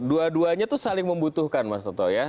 dua duanya itu saling membutuhkan mas toto ya